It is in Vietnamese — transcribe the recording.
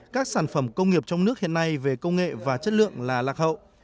các sản phẩm công nghiệp trong nước hiện nay về công nghệ và chất lượng là lạc hậu